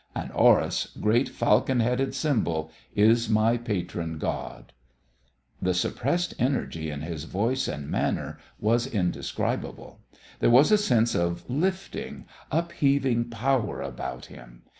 And Horus, great falcon headed symbol, is my patron god." The suppressed energy in his voice and manner was indescribable. There was a sense of lifting, upheaving power about him.